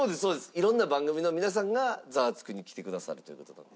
いろんな番組の皆さんが『ザワつく！』に来てくださるという事なんで。